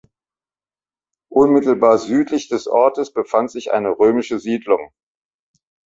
Unmittelbar südlich des Ortes befand sich eine römische Siedlung.